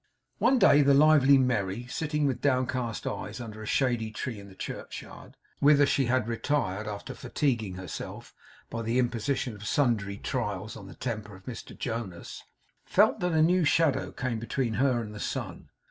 One day the lively Merry, sitting with downcast eyes under a shady tree in the churchyard, whither she had retired after fatiguing herself by the imposition of sundry trials on the temper of Mr Jonas, felt that a new shadow came between her and the sun.